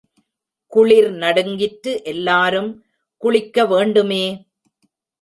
குளிர் நடுங்கிற்று எல்லாரும் குளிக்க வேண்டுமே!